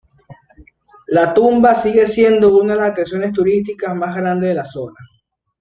La tumba sigue siendo una de las atracciones turísticas más grandes de la zona.